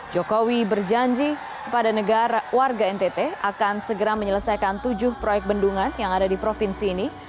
jokowi berjanji kepada negara warga ntt akan segera menyelesaikan tujuh proyek bendungan yang ada di provinsi ini